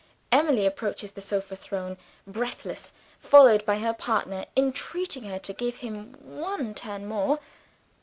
Emily approaches the sofa throne, breathless followed by her partner, entreating her to give him "one turn more."